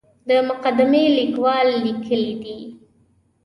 د مقدمې لیکوال لیکلي دي.